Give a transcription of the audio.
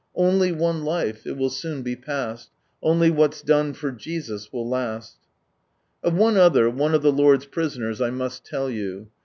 •' Only ane life—il luill lean he foil Only whal'i done fsr Jeius v/ill last." Of one Other, one of the Lord's prisoners, I must tell you.